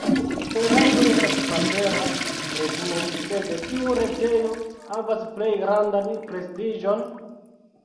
Esperanto estas papera revuo, sed kiu retejo havas plej grandan prestiĝon?